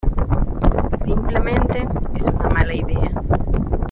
Simplemente, es una mala idea".